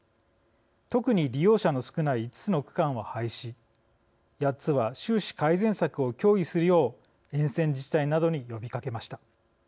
特に利用者の少ない５つの区間は廃止８つは収支改善策を協議するよう沿線自治体などに呼びかけました。